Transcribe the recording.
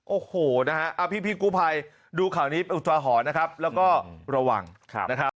โอ้โหนะฮะพี่กู้ภัยดูข่าวนี้เป็นอุทาหรณ์นะครับแล้วก็ระวังนะครับ